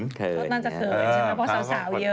ก็น่าจะเขินใช่ไหมเพราะสาวเยอะ